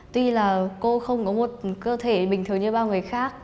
tuy là cô không có một cơ thể bình thường như bao người khác